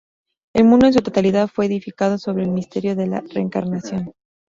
El mundo en su totalidad fue edificado sobre el misterio de la reencarnación".